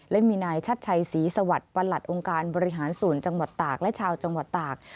และมีนายชัดชัยศรีสวัสดิ์ประหลัดองค์การบริหารส่วนจังหวัดตากและชาวจังหวัดตาก